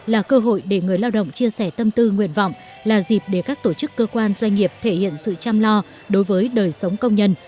là cơ hội để người lao động chia sẻ tâm tư nguyện vọng là dịp để các tổ chức cơ quan doanh nghiệp thể hiện sự chăm lo đối với đời sống công nhân